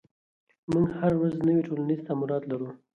موږ هره ورځ نوي ټولنیز تعاملات لرو.